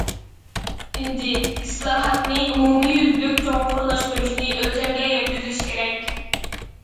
ئۈچىنچى، ئىسلاھاتنى ئومۇميۈزلۈك چوڭقۇرلاشتۇرۇشنى ئۆلچەمگە يەتكۈزۈش كېرەك.